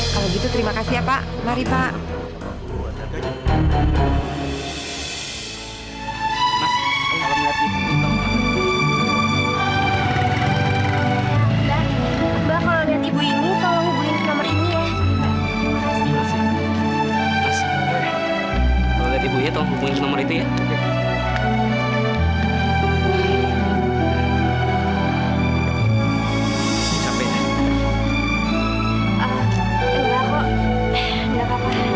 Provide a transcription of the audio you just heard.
kalau gitu terima kasih ya pak mari pak